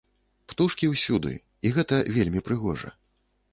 Птушкі ўсюды, і гэта вельмі прыгожа.